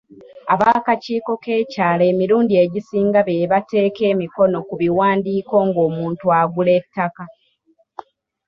Ab'akakiiko k'ekyalo emirundi egisinga be bateeka emikono ku biwandiiko nga omuntu agula ettaka.